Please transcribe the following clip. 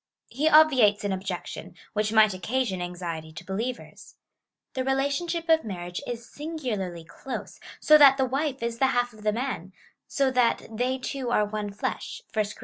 He obviates an objection, which might occasion anxiety to believers. The relationship of marriage is singularly close, so that the wife is the half of the man — so that they two are one flesh — (1 Cor.